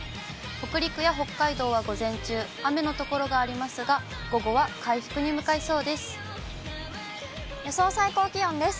北陸や北海道は午前中、雨の所がありますが、午後は回復に向かいそうです。